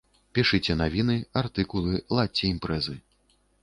Пішыце навіны, артыкулы, ладзьце імпрэзы.